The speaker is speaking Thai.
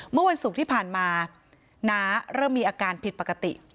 เมื่อวันศุกร์ที่ผ่านมาน้าเริ่มมีอาการผิดปกติ